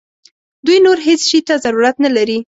دوی نور هیڅ شي ته ضرورت نه لري.